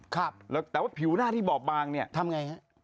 แต่ว่าผิวหน้าที่บอกบางเนี่ยทำไง